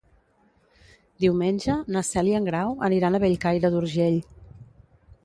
Diumenge na Cel i en Grau aniran a Bellcaire d'Urgell.